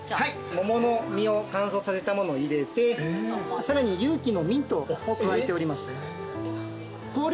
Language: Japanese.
桃の実を乾燥させたものを入れてさらに有機のミントを加えております。